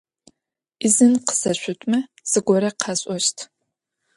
Ӏизын къысэшъутмэ, зыгорэ къэсӀощт.